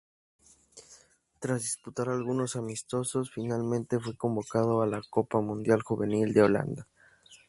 Tras disputar algunos amistosos, finalmente fue convocado a la Copa Mundial Juvenil de Holanda.